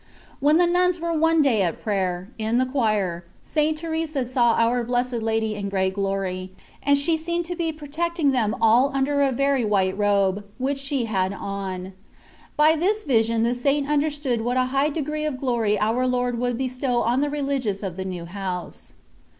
When the nuns were one day at prayer, in the choir, St. Teresa saw our Blessed Lady in great glory, and she seemed to be protecting them all under a very white robe, which she had on. By this vision the Saint understood what a high degree of glory our Lord would bestow on the Beligious of the new house.